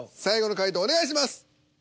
最後の解答お願いします。